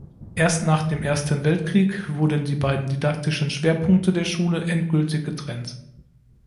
Erst nach dem Ersten Weltkrieg wurden die beiden didaktischen Schwerpunkte der Schule endgültig getrennt.